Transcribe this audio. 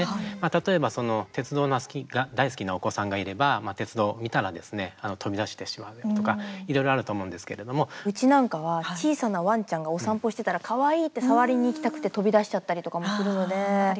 例えば、鉄道が大好きなお子さんがいれば、鉄道を見たら飛び出してしまうとかいろいろあるとうちなんかは、小さなワンちゃんがお散歩してたらかわいいって触りに行きたくて飛び出しちゃったりとかもするので。